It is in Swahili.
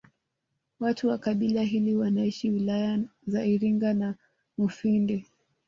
Watu wa kabila hili wanaishi wilaya za Iringa na Mufindi